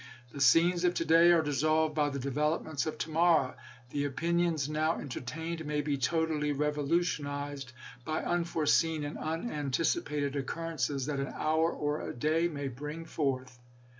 The scenes of to day are dissolved by the developments of to morrow. The opinions now entertained may be totally revolutionized by unforeseen and unantici pated occurrences that an hour or a day may bring forth."